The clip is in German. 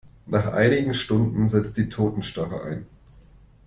Nach einigen Stunden setzt die Totenstarre ein.